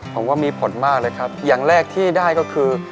ผมว่ามีผลมากเลยครับอย่างแรกที่ได้ก็คือ